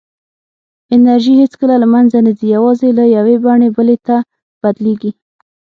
انرژي هېڅکله له منځه نه ځي، یوازې له یوې بڼې بلې ته بدلېږي.